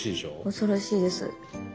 恐ろしいです。